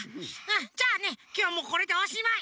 じゃあねきょうはもうこれでおしまい。